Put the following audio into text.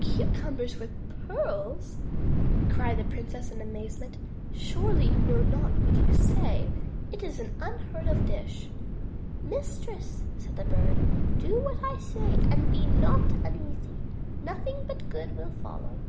"Cucumbers with pearls!" cried the princess in amazement. "Surely, you know not what you say. It is an unheard of dish." "Mistress," said the Bird, "do what I say, and be not un easy. Nothing but good will follow."